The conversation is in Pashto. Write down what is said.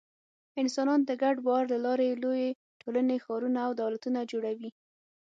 انسانان د ګډ باور له لارې لویې ټولنې، ښارونه او دولتونه جوړوي.